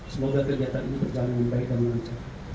semoga kegiatan ini berjalan dengan baik dan lancar